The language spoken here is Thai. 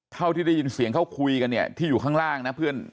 เท่าที่ได้ยินเสียงเขาคุยกันเนี่ยที่อยู่ข้างล่างนะเพื่อน